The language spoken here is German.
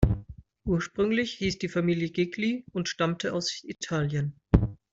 Ursprünglich hieß die Familie Gigli und stammte aus Italien.